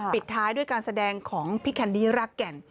ปิดท้ายด้วยการแสดงของพี่แคนดี้รักแก่น